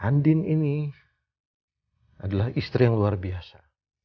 andin ini adalah istri yang luar biasa